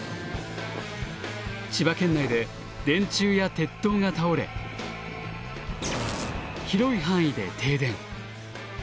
千葉県内で電柱や鉄塔が倒れ広い範囲で停電。